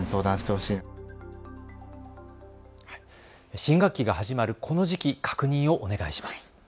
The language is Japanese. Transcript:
新学期が始まるこの時期、確認をお願いします。